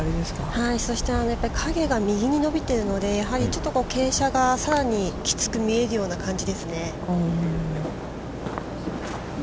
そして、影が右に伸びているので、やはりちょっと傾斜がさらにきつく見えるような感じですね。